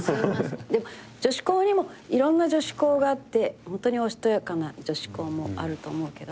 女子校にもいろんな女子校があってホントにおしとやかな女子校もあると思うけど。